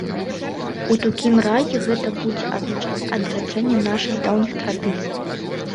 У такім разе, гэта будзе азначаць адраджэнне нашых даўніх традыцый.